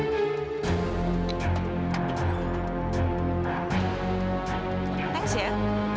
terima kasih ya